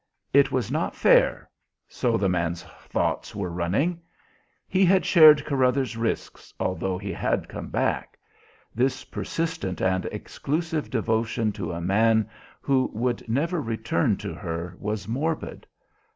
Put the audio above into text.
It was not fair so the man's thoughts were running. He had shared Carruthers' risks, although he had come back. This persistent and exclusive devotion to a man who would never return to her was morbid.